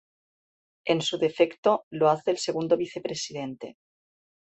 En su defecto, lo hace el Segundo Vicepresidente.